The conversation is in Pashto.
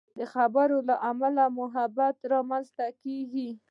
د خبرو له امله محبت رامنځته کېږي.